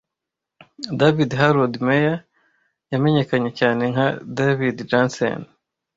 David Harold Mayer yamenyekanye cyane nka David Janssen